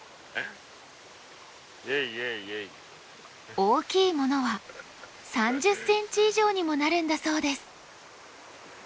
大きいものは３０センチ以上にもなるんだそうです。